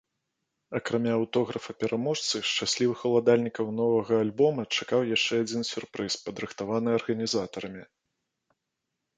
Акрамя аўтографа пераможцы шчаслівых уладальнікаў новага альбома чакаў яшчэ адзін сюрпрыз, падрыхтаваны арганізатарамі.